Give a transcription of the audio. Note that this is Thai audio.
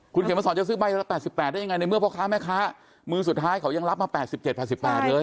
คุณเขียนมาสอนจะซื้อใบละ๘๘ได้ยังไงในเมื่อพ่อค้าแม่ค้ามือสุดท้ายเขายังรับมา๘๗๘๘เลย